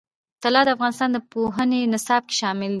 طلا د افغانستان د پوهنې نصاب کې شامل دي.